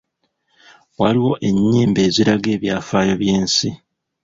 Waliwo ennyimba eziraga ebyafaayo by'ensi.